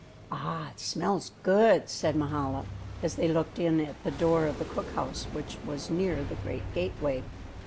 "Ah, it smells good!" said Mahala, as they looked in at the door of the cook house which was near the great gateway.